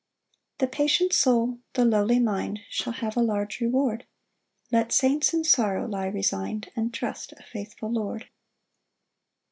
3 The patient soul, the lowly mind Shall have a large reward: Let saints in sorrow lie resign'd, And trust a faithful Lord.